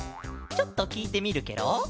ちょっときいてみるケロ！